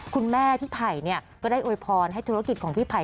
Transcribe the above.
คุณแม่พี่ไผ่ก็ได้อวยพรให้ธุรกิจของพี่ไผ่